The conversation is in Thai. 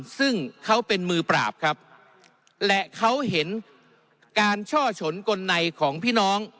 ซึ่งเขาเป็นมือปราบครับและเขาเห็นการช่อฉนกลในของพี่น้อง